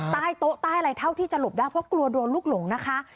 ใต้โต๊ะใต้อะไรเท่าที่จะหลบได้เพราะกลัวโดนลูกหลงนะคะ